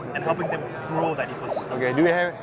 dan membantu mereka membesarkan ekosistem itu